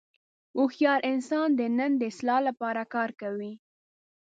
هوښیار انسان د نن د اصلاح لپاره کار کوي.